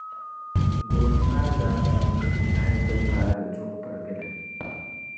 gooni maa zaa daa me hal ti paai di dubu pirigili.